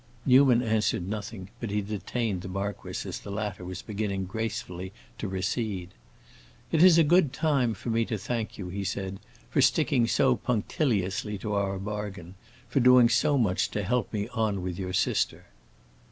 Newman answered nothing, but he detained the marquis as the latter was beginning gracefully to recede. "It is a good time for me to thank you," he said, "for sticking so punctiliously to our bargain, for doing so much to help me on with your sister."